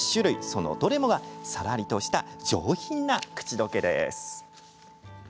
そのどれもがさらりとした上品な口溶けです。